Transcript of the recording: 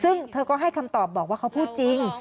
ซึ่งเธอก็ให้คำตอบบอกว่าเขาพูดจริง